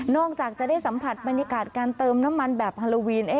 จากจะได้สัมผัสบรรยากาศการเติมน้ำมันแบบฮาโลวีน